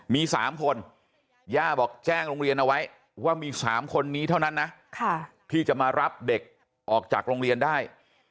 มี๓คนย่าบอกแจ้งโรงเรียนเอาไว้ว่ามี๓คนนี้เท่านั้นนะที่จะมารับเด็กออกจากโรงเรียนได้